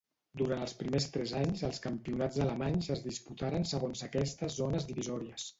Durant els primers tres anys els campionats alemanys es disputaren segons aquestes zones divisòries.